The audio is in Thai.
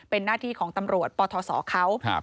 เป็นหน้าที่ของตำรวจปทศเขา